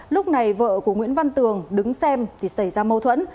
lúc này vợ của nguyễn văn tường đứng xem thì xảy ra mâu thuẫn